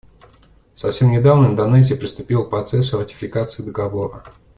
Совсем недавно Индонезия приступила к процессу ратификации Договора.